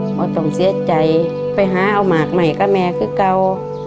เขาต้องเสียใจไปหาเอาหมากใหม่กับแม่คือเก่า